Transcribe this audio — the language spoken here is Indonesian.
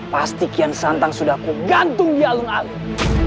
pasti kian santang sudah aku gantung di alung alung